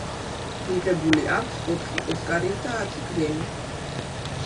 მიღებული აქვს ოთხი ოსკარი და ათი გრემი.